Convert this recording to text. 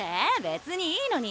別にいいのに。